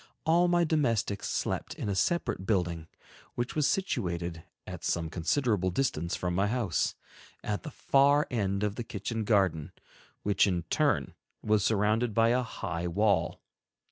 All my domestics slept in a separate building, which was situated at some considerable distance from my house, at the far end of the kitchen garden, which in turn was surrounded by a high wall.